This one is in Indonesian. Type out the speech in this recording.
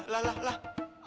lah lah lah